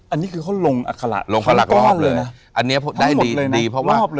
อันนี้คือเขาลงอัคละลงประหลักรอบเลยอันนี้ได้ดีดีเพราะว่า